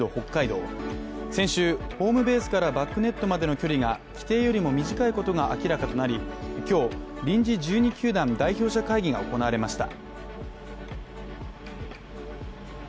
先週、ホームベースからバックネットまでの距離が規定よりも短いことが明らかとなり、今日、臨時１２球団代表者会議が行われました。